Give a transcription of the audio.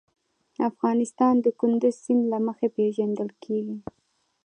افغانستان د کندز سیند له مخې پېژندل کېږي.